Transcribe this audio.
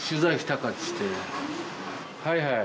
はいはい。